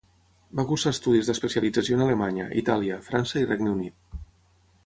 Va cursar estudis d'especialització en Alemanya, Itàlia, França i Regne Unit.